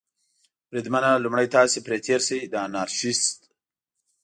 بریدمنه، لومړی تاسې پرې تېر شئ، د انارشیست.